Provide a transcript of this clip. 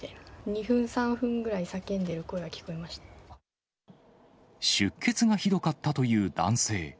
２分、３分ぐらい、叫んでる声が出血がひどかったという男性。